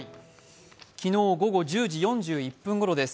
昨日午後１０時４１分ごろです。